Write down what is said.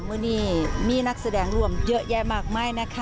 เมื่อนี้มีนักแสดงร่วมเยอะแยะมากมายนะคะ